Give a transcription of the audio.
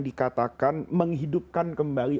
dikatakan menghidupkan kembali